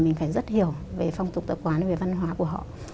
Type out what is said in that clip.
mình phải rất hiểu về phong tục tập quán về văn hóa của họ